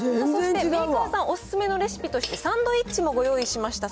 メーカーさんお勧めのレシピとして、サンドイッチもご用意しました。